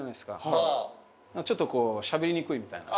ちょっとこうしゃべりにくいみたいな。